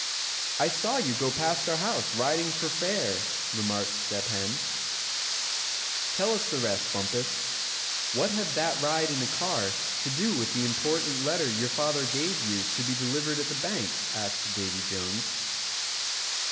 "I saw you go past our house, riding for fair," remarked Step Hen. "Tell us the rest, Bumpus; what had that ride in a car to do with the important letter your father gave you to be delivered at the bank?" asked Davy Jones.